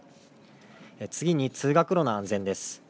次に通学路の安全です。